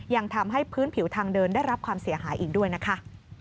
ยังทำให้พื้นผิวทางเดินได้รับความเสียหายอีกด้วยนะคะ